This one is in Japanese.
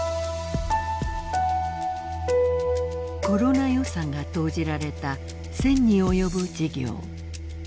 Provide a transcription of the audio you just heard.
コロナ予算が投じられた１，０００に及ぶ事業。